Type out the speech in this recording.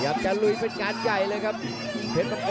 อยากจะลุยเป็นงานใหญ่เลยครับเพชรมังกร